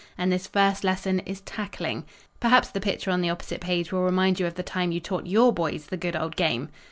And this first lesson is tackling. Perhaps the picture on the opposite page will remind you of the time you taught your boys the good old game.